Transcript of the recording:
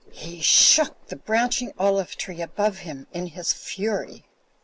He shook the branching olive tree above him in his fury.